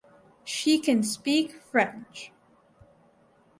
She can speak French.